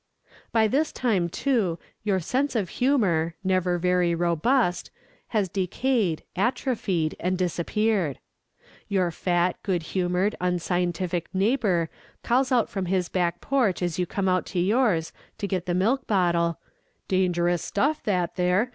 By this time, too, your sense of humor, never very robust, has decayed, atrophied, and disappeared. Your fat, good humored, unscientific neighbor calls out from his back porch as you come out to yours to get the milk bottle: "Dangerous stuff, that there!